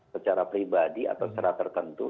secara pribadi atau secara tertentu